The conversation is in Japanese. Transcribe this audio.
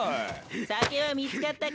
酒は見つかったか？